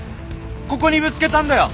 ここにぶつけたんだよ。